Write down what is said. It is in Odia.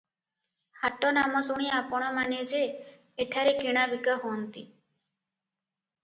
ହାଟ ନାମ ଶୁଣି ଆପଣମାନେ ଯେ, ଏଠାରେ କିଣା ବିକାହୁଅନ୍ତି ।